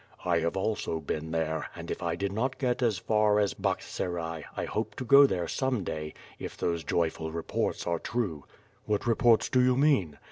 "I have also been there, and if I did not get as far as Bakch Serai, I hope to go there some day, if those joyful reports are true." "What reports do you mean?"